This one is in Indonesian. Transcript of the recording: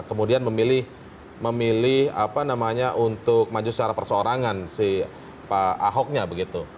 kemudian memilih apa namanya untuk maju secara perseorangan si pak ahoknya begitu